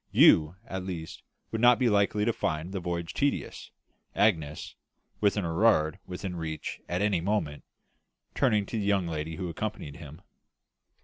"You at least would not be likely to find the voyage tedious, Agnes, with an Erard within reach at any moment," turning to the young lady who accompanied him.